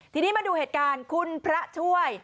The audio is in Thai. ทีนี้มาดูเหตุการณ์คุณพระช่วย